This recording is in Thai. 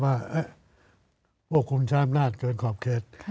พวกคุณชามนาฏเกินขอบเขต